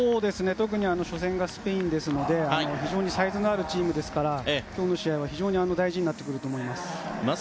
特に初戦がスペインですので非常にサイズのあるチームですから今日の試合は非常に大事になってくると思います。